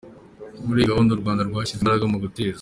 Muri iyi gahunda u Rwanda rwashyize imbaraga mu guteza